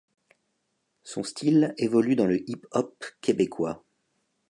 Son style évolue dans le hip-hop québécois.